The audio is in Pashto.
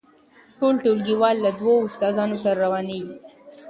ټول ټولګیوال له دوو استادانو سره روانیږي.